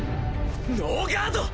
ノーガード！